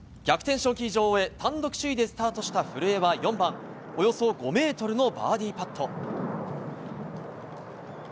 賞金女王へ単独首位でスタートした古江は４番、およそ５ｍのバーディーパット。